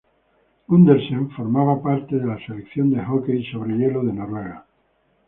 Gundersen formaba parte de la selección de hockey sobre hielo de Noruega.